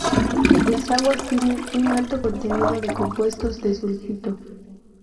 Las aguas tienen un alto contenido de compuestos de sulfito.